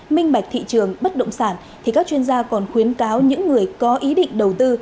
minh bạch thị trường bất động sản thì các chuyên gia còn khuyến cáo những người có ý định đầu tư